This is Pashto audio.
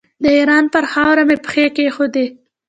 د ایران پر خاوره مو پښې کېښودې.